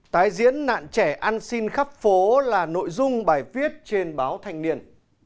tái diễn nạn trẻ ăn xin khắp phố là nội dung bài viết trên báo thanh niên